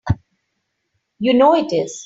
You know it is!